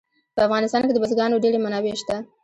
په افغانستان کې د بزګانو ډېرې منابع شته.